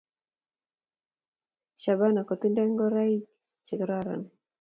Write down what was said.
Shabana kotindo ngoraiki che kararan